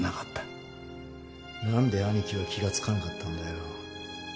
何で兄貴は気が付かなかったんだよ。